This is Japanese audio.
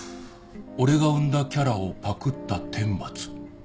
「俺が生んだキャラをパクった天罰」